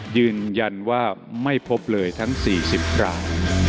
ยืนยันว่าไม่พบเลยทั้ง๔๐ราย